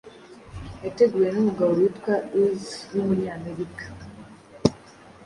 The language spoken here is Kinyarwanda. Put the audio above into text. yateguwe n’umugabo witwa Uys w’Umunyamerika,